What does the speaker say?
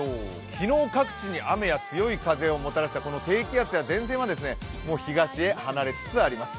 昨日各地に雨や強い風をもたらした、低気圧や前線はもう東へ離れつつあります。